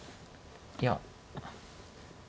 いや。